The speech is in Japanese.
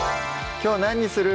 きょう何にする？